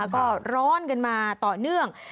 ก็ร้อนกันมาต่อเนื่อง